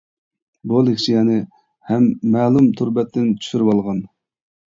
بۇ لېكسىيەنى ھەم مەلۇم تور بەتتىن چۈشۈرۈۋالغان.